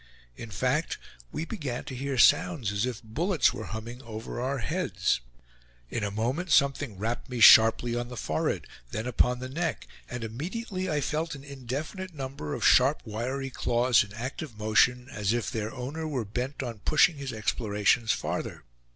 In fact, we began to hear sounds as if bullets were humming over our heads. In a moment something rapped me sharply on the forehead, then upon the neck, and immediately I felt an indefinite number of sharp wiry claws in active motion, as if their owner were bent on pushing his explorations farther.